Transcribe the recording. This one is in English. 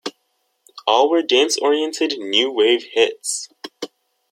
All were dance-oriented new wave hits.